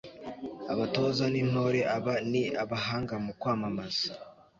abatoza n'intore aba ni abahanga mu kwamamaza